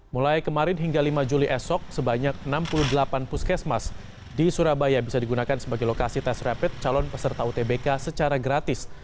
mulai kemarin hingga lima juli esok sebanyak enam puluh delapan puskesmas di surabaya bisa digunakan sebagai lokasi tes rapid calon peserta utbk secara gratis